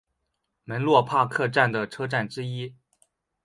门洛帕克站的车站之一。